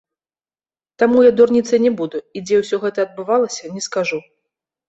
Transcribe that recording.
Таму я дурніцай не буду і дзе ўсё гэта адбывалася, не скажу.